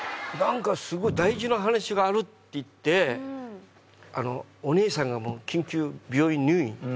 なんかすごい大事な話があるって言ってお姉さんが緊急入院。